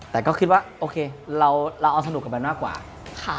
แต่ก็คิดว่าระเอาสนุกกับแบบน้ำหน้ากว่า